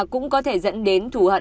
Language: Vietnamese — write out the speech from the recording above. cũng có thể dẫn đến thủ hận